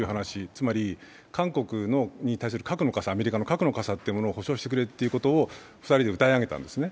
つまり韓国に対するアメリカの核の傘を保証してくれということを２人でうたい上げたんですね。